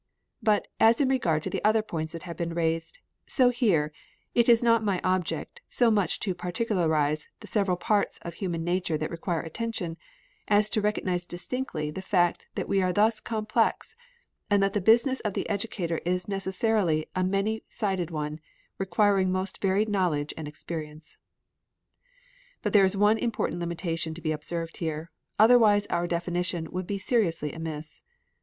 But, as in regard to the other points that have been raised, so here, it is not my object so much to particularize the several parts of human nature that require attention, as to recognize distinctly the fact that we are thus complex, and that the business of the educator is necessarily a many sided one, requiring most varied knowledge and experience. But there is one important limitation to be observed here, otherwise our definition would be seriously amiss.